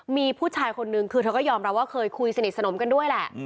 มีผู้ชายคนนึงคือเธอก็ยอมรับว่าเคยคุยสนิทสนมกันด้วยแหละ